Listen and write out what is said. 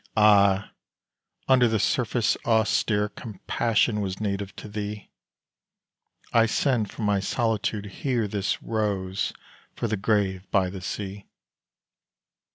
Ah! under the surface austere Compassion was native to thee; I send from my solitude here This rose for the grave by the sea.